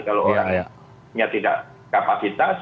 kalau orangnya tidak kapasitas